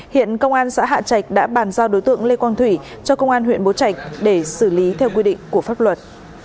hiện công an xã hạ trạch đã bàn giao đối tượng lê quang thủy cho công an huyện bố trạch để xử lý theo quy định của pháp luật